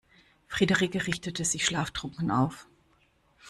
Friederike richtete sich schlaftrunken auf.